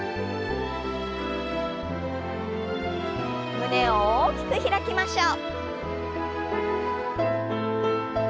胸を大きく開きましょう。